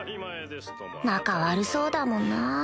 仲悪そうだもんな